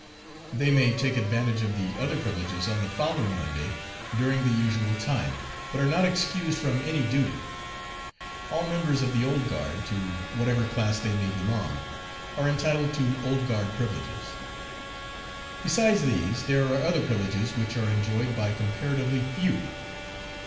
They may take advantage of the other privileges on the following Monday during the usual time, but are not excused from any duty. All members of the "Old Guard," to whatever class they may belong, are entitled to "Old Guard privileges." Besides these there are other privileges which are enjoyed by comparatively few.